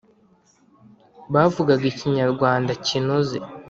bavugaga ikinyarwanda kinoze